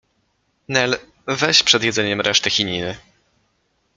— Nel, weź przed jedzeniem resztę chininy.